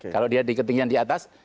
kalau dia di ketinggian di atas